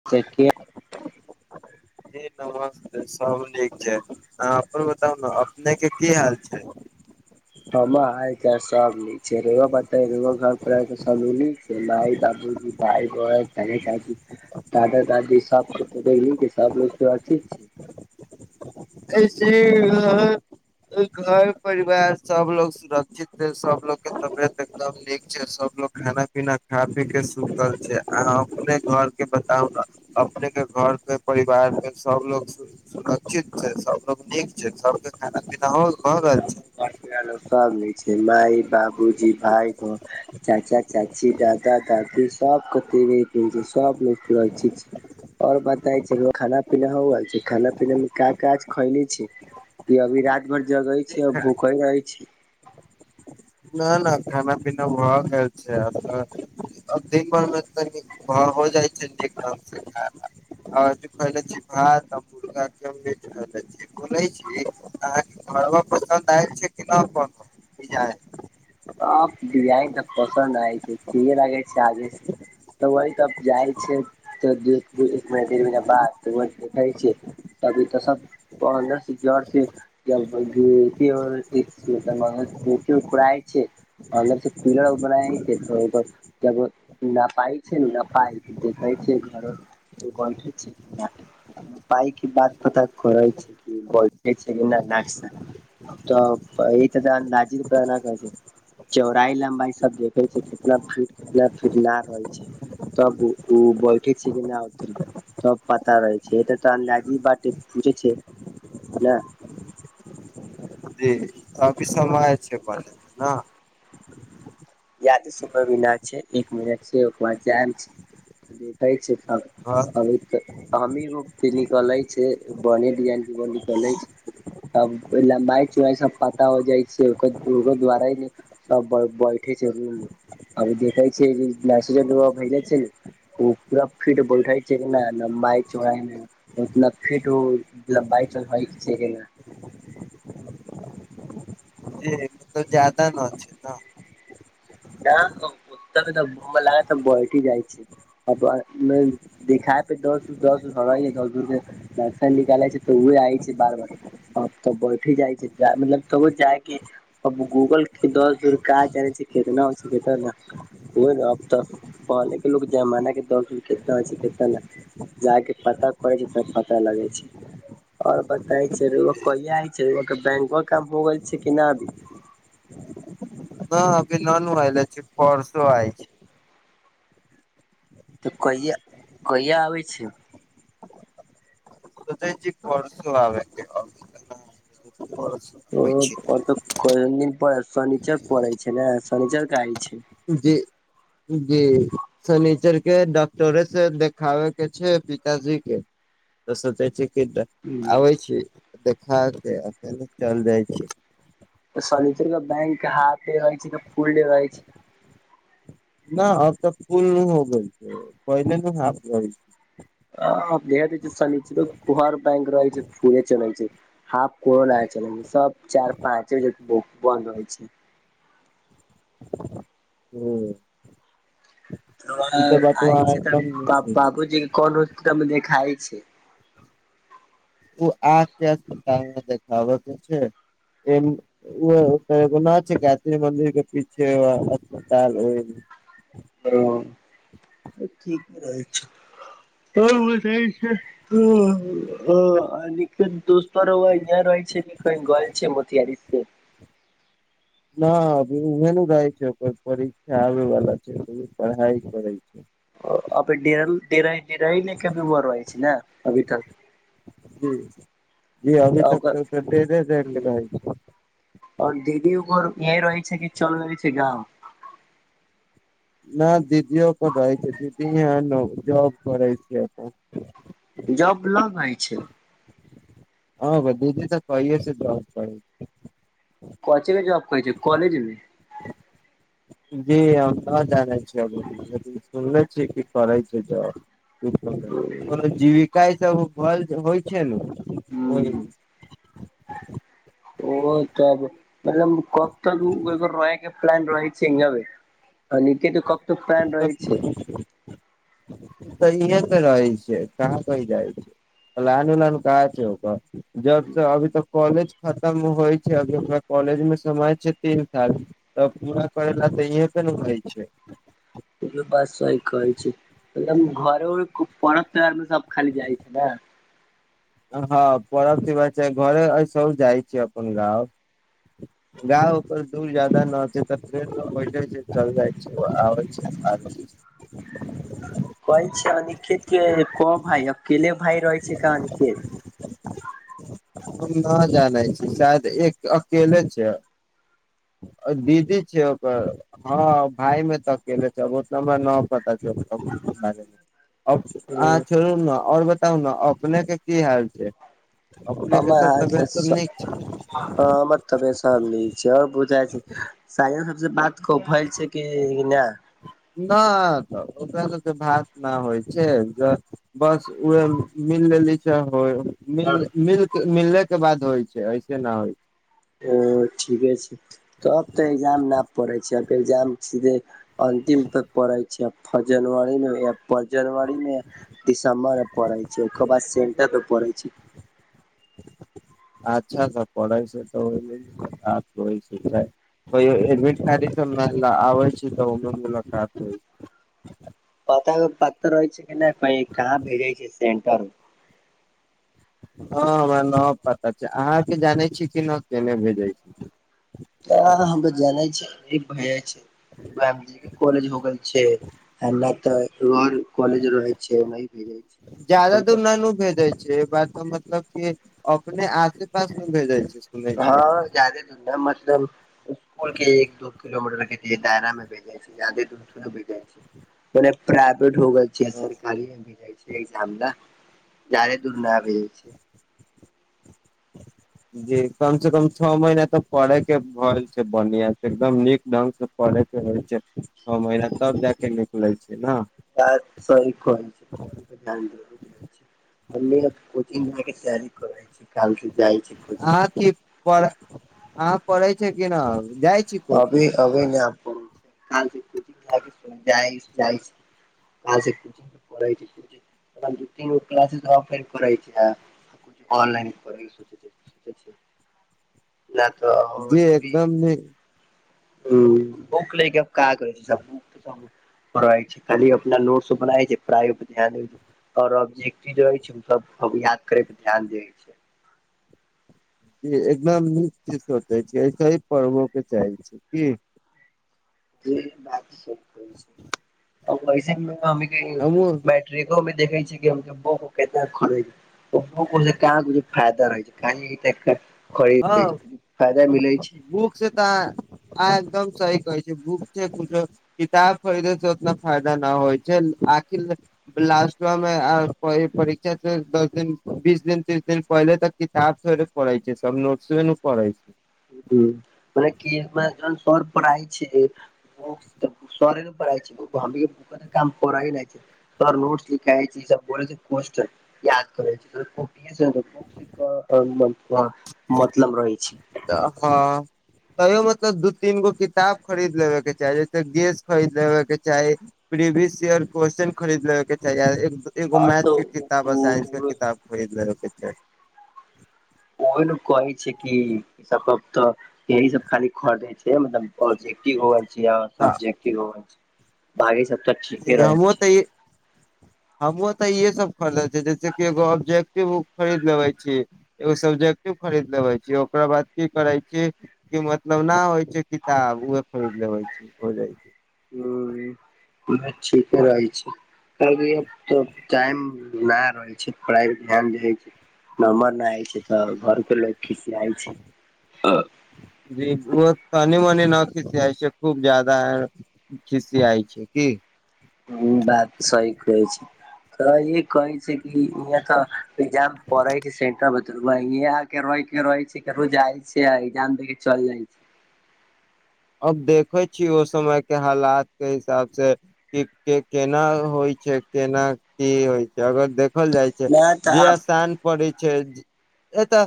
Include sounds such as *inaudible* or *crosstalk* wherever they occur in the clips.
*unintelligible* *unintelligible* अहाँ अपन बताउ न अपने केँ की हाल छैय। *unintelligible* मैइ बाबूजी भाइ बहन चाचा चाची दादा दादी सब *unintelligible* *unintelligible* घर परिवार सब लोग सुरक्षित छैय सबलोग केँ तबियत एकदम नीक छैय सबलोग खाना पीना खा पीके सब सुतल छैय अहा अपने घर के बताउ न अपने केँ घर केँ परिवारके सब लोग सु सुरक्षित सब लोक नीक छैय सबके खाना पीना हो भऽ जी रहल छैय। सब लय छय माय बाबूजी भाई बहन चाचा चाची दादा दादी सब *inaudible* लैय छैय सब पहिरैय छैय। आओर बताय छैय खाना पीना हो रहल छैय खाना पीना मे का का आज ख‌इन छिय कि अभी राति भरि जगैय छी आ छै भुखे रहैय छी। ना ना खाना पीना भऽ गेल छैय एत दिन भरिमे तनि हा हो जाइ छैय निक ढंगस खाना ह एक त खैइने छी भात मुर्गाक मिट ख‌इने छी। बोलैय छी अहाके घरबा पसन्द आयल छैय कि नै अपन अब डिजाइन तऽ पसन्द आय छैय ठिके लगैय छैय चालिस तऽ वही त जाइ छैय त एक महीना डेढ़ महीना बाद व देखैय छिय तभी तऽ सब *inaudible* *inaudible* कि फुराय छैय अन्दर से पीलर बनाइ छै तऽ ओ। *inaudible* *inaudible* पाइ की बात पता करै छै कि बैइठै कि नहि ना। *inaudible* तऽ इ त तऽ अन्दाजी रुपआ नहि कहै छै। चौड़ाई लम्बाई सब देखै छै कितना फीट कितना फीट लागि रहै छै। तब ओ बैठे छी कि नै आर तब पता रहैय छैय एतय तऽ लाजी पाटी खुजैय छैय ना जी अभी समय छैय पहले न यादे सुन्दर भेनाय छैय एक मिनट छैय ओकर बाद जाय छैय देखैय छैय। आब घर अबैय हमी निकले छैय बने डिजाइन के *inaudible* निकले छैय। तब लम्बाई चौड़ाई सब पता होय जाइ छैय ओकरो द्वारा नै सब बैठे छै रुम आब देखै छै *inaudible* छै ने। ओ पूरा फीट बैइठय छै कि नय लम्बाइ चौराइमे। मतलब फिट मतलब *inaudible* तऽ जदा न छै न। न ओत तऽ बम लागै तऽ ब‌इठि जाइ छै। देखाय पे दस-दस हय दस धुरर के। *inaudible* निकालै छै तऽ ओए आइ छै बार-बार। अब तऽ बैठे जाइ छै मतलब तबो जाइके। अब गूगल के दस धुर कहाँ ज सिखेत सखे ने। ओ अब तऽ पहले के लोक जमाना के दस धुर कितना हो छै कितना नहि। जायक पता करै छै तब पता लगै छै। आओर बताय छै कहिया हय छै बैंकबा काम हो गेल छै कि नहि हभी ननु आयले छै परसो आयल छै। तऽ कहिआ-कहिआ आबै छी। सोचय छी परसू आबय केँ हम। ओ त कोन दिन परय शनिचर परय छै न शनिचर के आइ छी। जी जी। शनीचर के डॉक्टरे से देखाबे के छै पिताजी के। तऽ सोचै छी कि आबै छी देखा के फेरो चल जाइ छी। सर्नीचर के बैंक हाफे रहै छै कि फुल डे रहै छै ना अब तऽ फुल नो हो गेलै छै, पहिल न हाफ रहै छै। *unintelligible* बैंक रहै छै फुल चढ़इ छै। हाफ को लागै छल सब चार पाँचे बक बन्द होइ छै। *unintelligible* हूँ। आय बतवा छै एकदम नीक तऽ छै। बाबूजी के कोन होस्टल मे देखाय छै। *unintelligible* ओ आ क देखावके छै। *unintelligible* ओ ओना छै गायत्री मम्मी के पीछे *unintelligible* हैलो की करय छी, हम *unintelligible* ह अ दोसतो रहै छै कि क गल छै मथियरि से। *unintelligible* *unintelligible* परीक्षा आवै वला छै त उ पढ़ाई करै छै। अभीरारा ह नहि कभीइ छै ने अभी तक। *unintelligible* की की अभी तऽ ओकर तक डेरे ल के रहय छै। *unintelligible* आओर दीदी ओकर इह रहै छै कि चल गेल छै गाँव। न दीदीयो ओत रहै छै दीदी अहन जॉब करै छै ओत जॉब लग मे अइछ छै। *unintelligible* हँ भाइ दीदी तऽ कहिये स जॉब करय छै। कोन चीज केँ जॉब करय छै कलेजमे। *unintelligible* *inaudible* जी हम नऽ जानै छियै सुनने छीय कि करै छैय जॉब कोनो जीविका ईसब भल होइ छैय नु ओय हुं नुऽ ओ तब कब तकर रहके *unintelligible* फलाईनड रहै छै इंडिया मे *unintelligible* *unintelligible* रहै छैय कहाँ कहि जाइ छैय प्लान उलान कहा छै ओक जब त अभी तक कॉलेज। खतम होइ छै अभी हमरा कॉलेज मे समय छै तीन तारिक। तऽ पूरा करैला तऽ इहें त नु होई छै। बात सही कहै छी मतलब घर उर पर्व त्यौहार मे सब खाली जाइ छै ने। हँ परब *unintelligible* घरे सब जाइ छै अपन गाँव। गाँव पर दूर ज्यदा न होतै तब। से तऽ होेईते छैय चल जाइ छैय आबै छैय *unintelligible* कहै छीयै अनिखित के कऽ भाय अकेले भाय रहै छैय कान अनिकेत हम न जानै छी शायद एक अकेले छैय दीदी छैय ओकर हँ भाय मे तऽ अकेले छैऽ *unintelligible* अहाँ छोड़ू नऽ आओर बताउ नऽ अपने के की हाल छैय प *unintelligible* हँ तबस छै आओर बुझ छै सब बात *unintelligible* फल छैय *unintelligible* कि नहि ना तऽ ओकरा सबके भात न होइ छैय ज बस उहे मिल ललही तैं होय मिल मिल मिलले के बाद होइ छैय ऐसे न होइ छैय ओ ठीके छैय तब तऽ एग्जाम न पड़ै छैय एग्जाम सीधे अन्तिम थक पढ़ै छैय फ जनवरी फ जनरीमे दिसम्बरमे पढ़ै छैय ओयक बाद सेन्टमे पढ़ै छैय अच्छासे पढ़ै छैय त *unintelligible* कहियो एडमिट कार आबे छी तऽ ओ मुलाकात हो छै *unintelligible* पता उ पता रहै छैय कि नहि कही कहाँ भेजे छैय सेंटर हँ हमरा नऽ पता छैय अहाँके जानै छी कि न केने भेजै छी आ हम तऽ जानै छी भए जाइ छैय *unintelligible* कॉलेज हो गेल छैय नहि तऽ एगो और कॉलेज रहे छैय ओनाही भेजे छैय जादा दूर न नानू भेजय छैय बात तऽ मतलब कि अपने आसे पास मे भेजाइ छैय हँ जादे दू न मतलब इसकु के एक दू किलोमीटर के दायरा मे बेेजइ छैय जादे दू बेेजइ छैय ओने प्राइवेट हो गेल छैय छियै सरकारीय मे भेजय छैय *unintelligible* जादे दूर नऽ भेजै छीये *inaudible* *inaudible* जी कम से कम छह महीना तऽ पढ़े के परे छैय बढ़आ से एकदम नीक ढंग से पढ़े के हो छै छओ महीना तब जाके निकले छै ने बात सही कहे छैय धान जर छैय हमें कोचिंग जाय के तैयारी करे छैय आहा क पढ़ अह पढ़ै छैय कि नऽ जाइ छी कोचिंग अभी अभी पढ़े नय प छैय *unintelligible* काल जई छी आ *unintelligible* स पढ़ा *unintelligible* दू तीन गो क्लासेज कर छैनन *unintelligible* *unintelligible* नय ह बुक लैके क करै छै बुक त छै खाली अपना नोट बनाै छै पढ़ाई प ध्यान द आओरब जे चीज रहै छै सब याद करे के ध्यान देै छै एकदम नीक चीज सोचै छी ऐसे ही पढ़बो के चाहे छी की *unintelligible* हमहुँ ट्रेको में देखे छ छै कि हम के बुक क खड़े बूको मे फायदा रहै छैय खाली खरीद हँ छैय फायदा मिलैत छैय बुक से तऽ आहाॅं एकदम सही कहै छैय बूक छैय कुछो किताब फरीद सऽ ओतना फायदा नऽ होइ छैय आखीर लास्ट मे परीक्षा दस दिन बीस दिन तीस दिन पहिले तक किताब थोड़ी पढ़ैइ छै सब नोट न पढ़इ छै ह मने कमे जन सर पढ़ाय छै *unintelligible* सरे न पड़इ छै क तऽ काम कर ह नहि छै तर नोट्स लिखाइ छी सब बोलै छै क्वेश्चन याद करै छै त *unintelligible* मतलब रहै छै तऽ हँ तैयो मतलब दू तीन गो किताब खरीद लेबे के चाही जैसे गेस खरीद लेबे के चाही प्रीवियस इयर क्वेश्चन खरीदल के चैई अ एगो आ मैथ के किताब आ साइंस के तऽ किताब करें के चैई ओहि ने कहै छै कि इ सब कत्ता यी सब खाली खटे छै मतलब्टि रोज भागी सबटा ज हमो तऽ ई हमहुं तऽ इहे सब खरीदले छी जैसे कि एगो ऑब्जेक्टिव खरीद लेबे छीय एगो सब्जेक्टि खरीद लेबे छीय ओकरा बाद की करै छीय क मतलब न होइ छै किताब उह खरीद लेब छै हो जाइ छैय ह ब ठीके रहै छै कक तऽ टाइम नहि रहै छै पढ़ाइ मे ध्यान छै नमबर नहिइ छैय तऽ घर के लोक खिसियाइ छैय जी ओ तनी मनी न खिच जाइ छै खूब जदा खिसी आइ छै कि ह बात सही कहै छै त ये कहे छै क यहाँ तऽजाम पढ़े छै सेंटर केे के रहे छै केकरो जाय छै एजाम देख के चल जाइ छै अब देखे छी ओ समय के हालात के हिसाब से के केना होइ छै केना की होइ छै अगर देख देखल जाइ छै ना तऽ आब जे स्थान पड़ै छै ए तऽ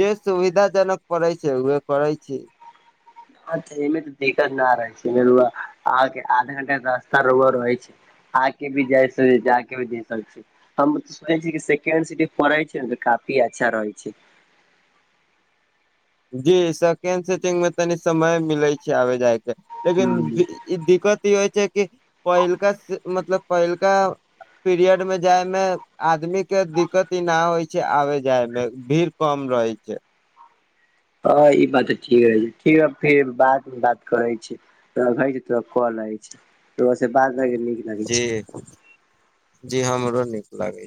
जे सुविधा जनक पड़ै छै उह करै छी अचछा एमे तऽ दिक्कत न रहै छैमे रु आ आध घंटा रास्ता रुआ रहै छै आके भी जाय सकै छै आगे भी जाय सकै छी हम सुनै छै सेकेंड सीट पढ़े छै ने तऽ काफी अच्छा रहे छैय जी सेकेंड सेटिंग मे तनि समय मिलै छै आबे जाय के लेकिन हूँ ई दिक्कत ई होइ छै कि पहिलका मतलब पहिलका पीरियड में जाइ मे आदमी के दिक्कत ई न होइ छै आबे जाय मे भीड़ कम रहे छैय ह ई बात तऽ ठीक है छै ठीक फेर बात बात करै छी तरा हो छै तोरा क लै छै त बातय नीक लगै छै *unintelligible* जी ह हमरो नीक लागे छै